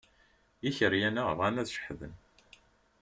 Ikeryan-a bɣan ad ceḥḥden.